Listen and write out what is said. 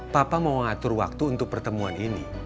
papa mau ngatur waktu untuk pertemuan ini